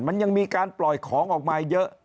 มันยังมีการปล่อยของออกมาเยอะ